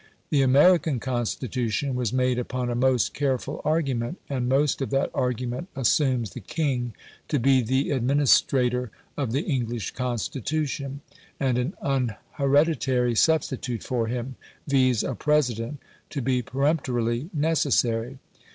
The American Constitution was made upon a most careful argument, and most of that argument assumes the king to be the administrator of the English Constitution, and an unhereditary substitute for him viz., a president to be peremptorily necessary.